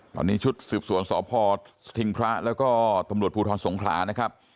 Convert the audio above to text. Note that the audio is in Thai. ตอนนี้ชุดสืบสวนสพสถิงพระแล้วก็ตำรวจภูทรสงขลานะครับ